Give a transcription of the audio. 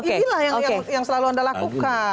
inilah yang selalu anda lakukan